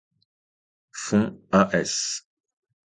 Fond, a.s.